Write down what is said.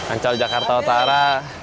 ancal jakarta utara